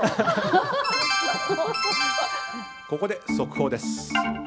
ここで速報です。